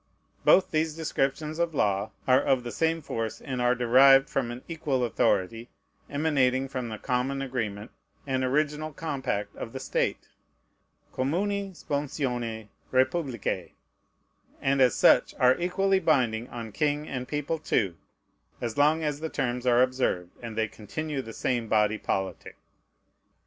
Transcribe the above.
Both these descriptions of law are of the same force, and are derived from an equal authority, emanating from the common agreement and original compact of the state, communi sponsione reipublicæ, and as such are equally binding on king, and people too, as long as the terms are observed, and they continue the same body politic.